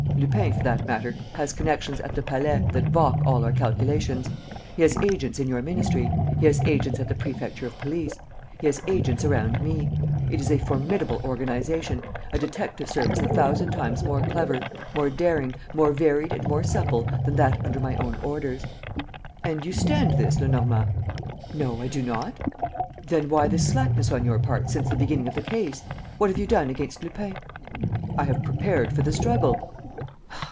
Lupin, for that matter, has connections at the Palais that balk all our calculations. He has agents in your ministry. He has agents at the Prefecture of Police. He has agents around me. It is a formidable organization, a detective service a thousand times more clever, more daring, more varied and more supple than that under my own orders." "And you stand this, Lenormand?" "No, I do not." "Then why this slackness on your part since the beginning of the case? What have you done against Lupin?" "I have prepared for the struggle."